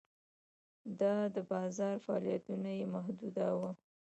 دا د بازار فعالیتونه یې محدوداوه.